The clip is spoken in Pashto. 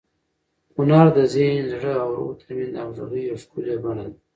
هنر د ذهن، زړه او روح تر منځ د همغږۍ یوه ښکلي بڼه ده.